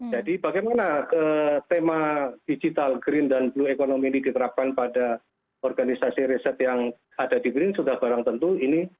jadi bagaimana tema digital green dan blue economy ini diterapkan pada organisasi riset yang ada di brin sudah barang tentu ini